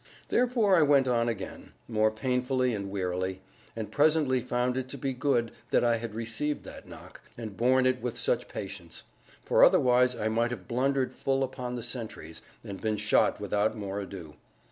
Therefore I went on again, more painfully and wearily, and presently found it to be good that I had received that knock, and borne it with such patience; for otherwise I might have blundered full upon the sentries, and been shot without more ado.